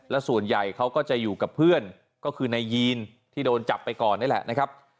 และส่วนใหญ่เขาก็จะอยู่กับเพื่อนก็คือนายยีนที่โดนจับไปก่อนนี่แหละนะครับ